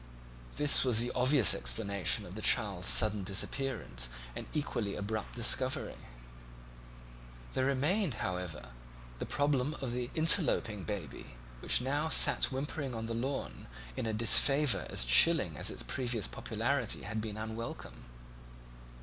This was the obvious explanation of the child's sudden disappearance and equally abrupt discovery. There remained, however, the problem of the interloping baby, which now sat whimpering on the lawn in a disfavour as chilling as its previous popularity had been unwelcome.